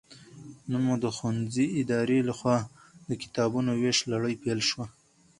نن مو د ښوونځي ادارې لخوا د کتابونو ويش لړۍ پيل شوه